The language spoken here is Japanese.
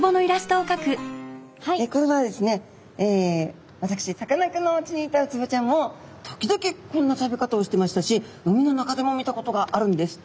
これはですね私さかなクンのおうちにいたウツボちゃんも時々こんな食べ方をしてましたし海の中でも見たことがあるんです。